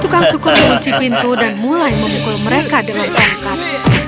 tukang cukur mengunci pintu dan mulai memukul mereka dengan tangkap